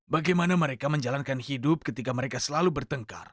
bagaimana mereka menjalankan hidup ketika mereka selalu bertengkar